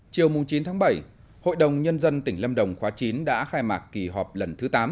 chiều chín bảy hội đồng nhân dân tỉnh lâm đồng khóa chín đã khai mạc kỳ họp lần thứ tám